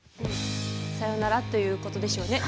「さよなら」という事でしょうね。